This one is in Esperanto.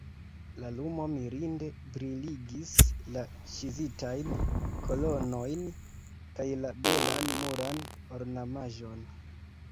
La lumo mirinde briligis la ĉizitajn kolonojn kaj la belan muran ornamaĵon.